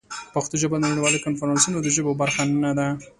پښتو ژبه د نړیوالو کنفرانسونو د ژبو برخه نه ده.